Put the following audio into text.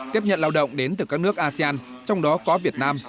tiếp nhận lao động đến từ các nước asean trong đó có việt nam